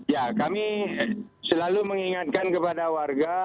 ya kami selalu mengingatkan kepada warga